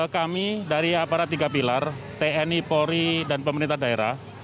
kami dari aparat tiga pilar tni polri dan pemerintah daerah